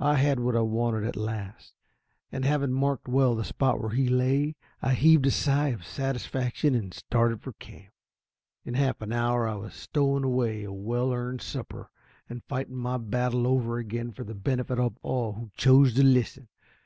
I had what I wanted at last, and having marked well the spot where he lay, I heaved a sigh of satisfaction and started for camp. In half an hour I was stowing away a well earned supper, and fighting my battle over again for the benefit of all who chose to listen.